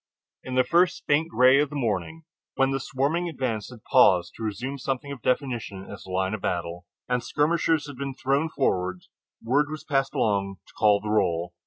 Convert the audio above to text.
In the first faint gray of the morning, when the swarming advance had paused to resume something of definition as a line of battle, and skirmishers had been thrown forward, word was passed along to call the roll.